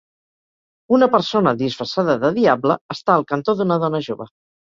Una persona, disfressada de diable, està al cantó d'una dona jove.